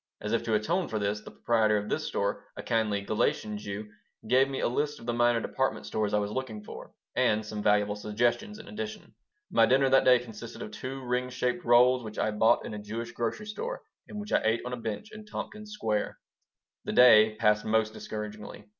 As if to atone for this, the proprietor of this store, a kindly Galician Jew, gave me a list of the minor department stores I was looking for, and some valuable suggestions in addition My dinner that day consisted of two ring shaped rolls which I bought in a Jewish grocery store and which I ate on a bench in Tompkins Square The day passed most discouragingly.